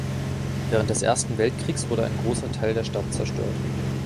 Während des Ersten Weltkriegs wurde ein großer Teil der Stadt zerstört.